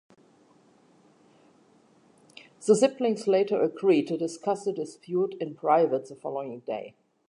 The siblings later agreed to discuss the dispute in private the following day.